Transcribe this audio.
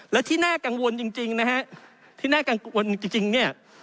และที่น่ากังวลจริงนะฮะที่น่ากังวลจริงเนี่ย